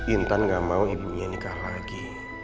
intan gak mau ibunya nikah lagi